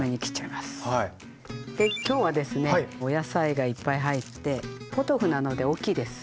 今日はですねお野菜がいっぱい入ってポトフなので大きいです。